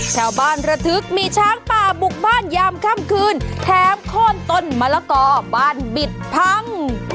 ระทึกมีช้างป่าบุกบ้านยามค่ำคืนแถมโค้นต้นมะละกอบ้านบิดพัง